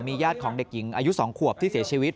ญาติของเด็กหญิงอายุ๒ขวบที่เสียชีวิต